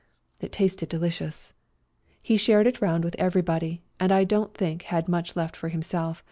It tasted delicious ! He shared it roimd with every body, and I don't think had much left for himself.